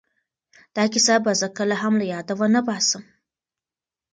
دا کیسه به زه کله هم له یاده ونه باسم.